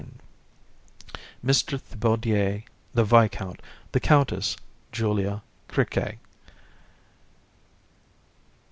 MR. THIBAUDIER, THE VISCOUNT, THE COUNTESS, JULIA, CRIQUET.